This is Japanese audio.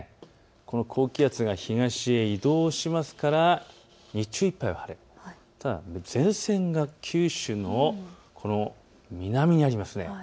この高気圧が東へ移動しますから日中いっぱいは晴れ、前線が九州の南にあります。